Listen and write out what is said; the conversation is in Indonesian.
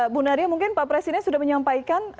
bu nadia mungkin pak presiden sudah menyampaikan